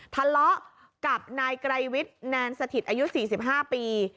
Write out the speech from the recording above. ทะเลาะกับนายไกรวิทย์แนนสถิตอายุ๔๕ปี